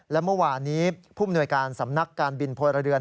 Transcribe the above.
และเมื่อวานี้ผู้มนวยการสำนักการบินพลเรือน